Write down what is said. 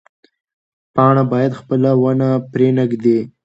پاڼه باید خپله ونه پرې نه ږدي.